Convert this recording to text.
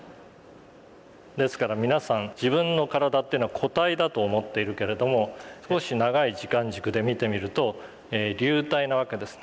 ですから皆さん自分の体っていうのは個体だと思っているけれども少し長い時間軸で見てみると流体なわけです。